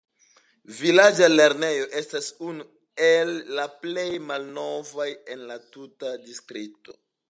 Vilaĝa lernejo estas unu el la plej malnovaj en la tuta distrikto.